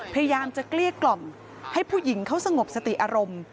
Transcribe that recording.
พยายามจะเกลี้ยกล่อมให้ผู้หญิงเขาสงบสติอารมณ์